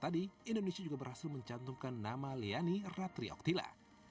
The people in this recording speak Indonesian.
selain keempat nama tadi indonesia juga berhasil mencantumkan nama liani ratri oktila